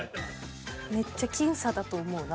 めっちゃ僅差だと思うな